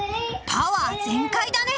パワー全開だね！